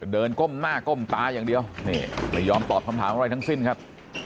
ก้มหน้าก้มตาอย่างเดียวนี่ไม่ยอมตอบคำถามอะไรทั้งสิ้นครับ